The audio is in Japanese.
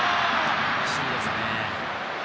惜しいですね。